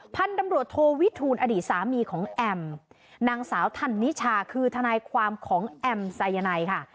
พันธุ์ตำรวจโทวิทูลอดีตสามีของแอมนางสาวธันนิชาคือทนายความของแอมไซยาไนค่ะ